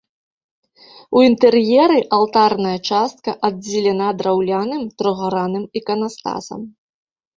У інтэр'еры алтарная частка аддзелена драўляным трохгранным іканастасам.